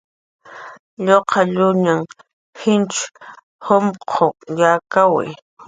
Lluqalluñanhn jich jumq'w yakawi